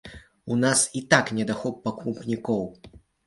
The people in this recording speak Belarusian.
У нас і так недахоп пакупнікоў!